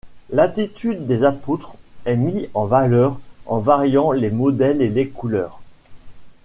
L'attitude des apôtres est mise en valeur en variant les modèles et les couleurs.